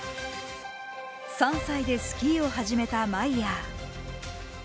３歳でスキーを始めたマイヤー。